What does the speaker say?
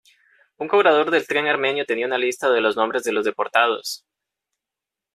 Un cobrador del tren armenio tenía una lista de los nombres de los deportados.